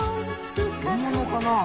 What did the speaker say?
本物かな？